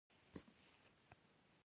چینایان د سرو زرو ډېره مینه لري.